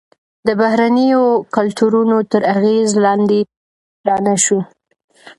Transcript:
د بهرنیو کلتورونو تر اغیز لاندې رانه شو.